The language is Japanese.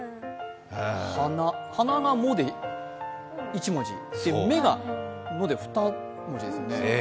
鼻がもで１文字、目が「の」で２文字ですね。